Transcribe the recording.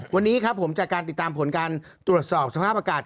วันนี้ครับผมจากการติดตามผลการตรวจสอบสภาพอากาศ